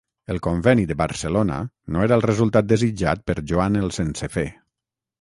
El Conveni de Barcelona no era el resultat desitjat per Joan el Sense Fe.